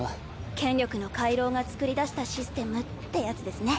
権力の回廊が作り出したシステムってやつですね。